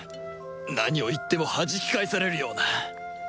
何を言ってもはじき返されるような